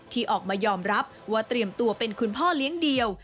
ที่ออกมายอมรับว่าเตรียมตัวเป็นคุณพ่อเลี้ยงเดี่ยว